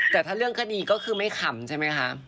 แต่ถ้าเรื่องคดีก็คือไม่ขำใช่ไหมคะ